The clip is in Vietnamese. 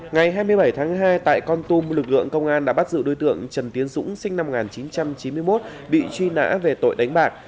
ngày hai mươi bảy tháng hai tại con tum lực lượng công an đã bắt giữ đối tượng trần tiến dũng sinh năm một nghìn chín trăm chín mươi một bị truy nã về tội đánh bạc